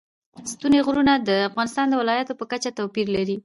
ستوني غرونه د افغانستان د ولایاتو په کچه توپیر لري.